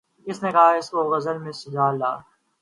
کس نے کہا کہ اس کو غزل میں سجا لا